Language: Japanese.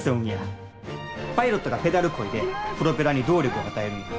パイロットがペダルこいでプロペラに動力を与えるんや。